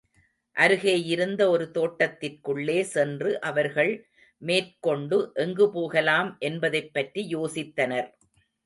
அருகேயிருந்த ஒரு தோட்டத்திற்குள்ளே சென்று அவர்கள் மேற்கொண்டு எங்கு போகலாம் என்பதைப் பற்றி யோசித்தனர்.